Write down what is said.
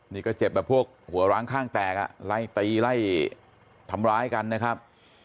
นี่ก็เจ็บแบบพวกหัวร้างข้างแตกอ่ะไล่ตีไล่ทำร้ายกันนะครับ